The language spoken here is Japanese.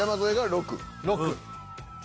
６。